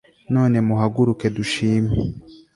none muhaguruke dushime